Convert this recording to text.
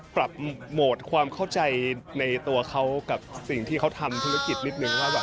ปรับโหมดความเข้าใจในตัวเขากับสิ่งที่เขาทำธุรกิจนิดนึงว่าแบบ